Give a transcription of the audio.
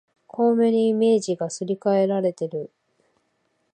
巧妙にイメージがすり替えられている